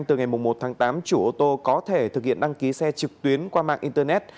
từ ngày một tháng tám chủ ô tô có thể thực hiện đăng ký xe trực tuyến qua mạng internet